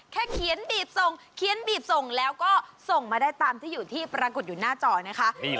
เขียนบีบส่งเขียนบีบส่งแล้วก็ส่งมาได้ตามที่อยู่ที่ปรากฏอยู่หน้าจอนะคะ